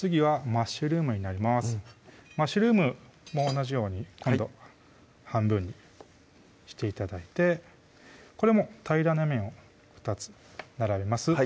マッシュルームも同じように半分にして頂いてこれも平らな面を２つ並べます